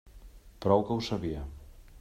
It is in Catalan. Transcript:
Prou que ho sabia.